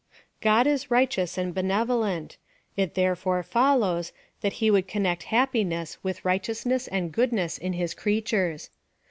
God is righteous and benevolent ; it therefore fol lows, that he would connect happiness with right eousness and goodness in his creatures.